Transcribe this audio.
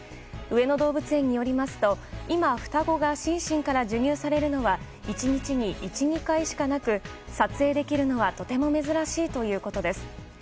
上野動物園によりますと今、双子がシンシンから授乳されるのは１日に１２回しかなく撮影できるのはとても珍しいということです。